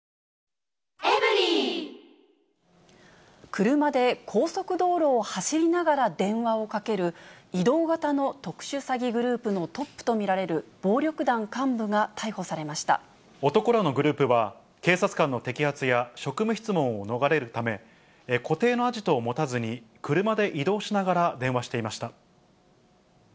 車で高速道路を走りながら電話をかける、移動型の特殊詐欺グループのトップと見られる暴力団幹部が逮捕さ男らのグループは、警察官の摘発や職務質問を逃れるため、固定のアジトを持たずに、車で移動しながら電話していました。